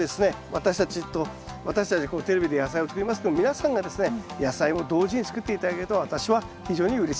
私たちと私たちはこうテレビで野菜を作りますけど皆さんがですね野菜を同時に作って頂けると私は非常にうれしいと思います。